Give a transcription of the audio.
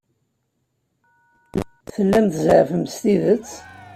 Tellam tzeɛfem s tidet?